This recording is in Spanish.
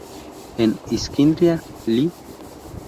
En "Iskindria…Leh?